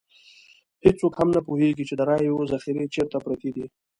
هېڅوک هم نه پوهېږي چې د رایو ذخیرې چېرته پرتې دي.